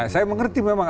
saya mengerti memang